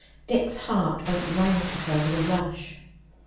Dick's heart went round to her with a rush.